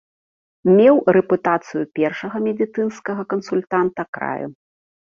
Меў рэпутацыю першага медыцынскага кансультанта краю.